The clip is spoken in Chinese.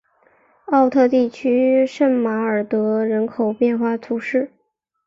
奥特地区圣马尔德人口变化图示